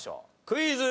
クイズ。